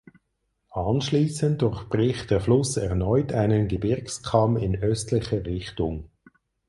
Anschließend durchbricht der Fluss erneut einen Gebirgskamm in östlicher Richtung.